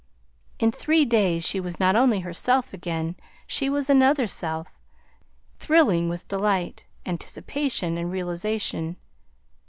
In three days she was not only herself again, she was another self, thrilling with delight, anticipation, and realization.